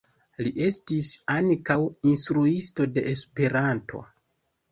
Li estis ankaŭ instruisto de Esperanto.